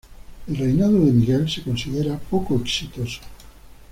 El reinado de Miguel se considera poco exitoso.